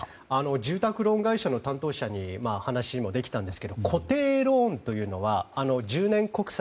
住宅ローン会社の担当者にも話ができたんですが固定ローンというのは１０年国債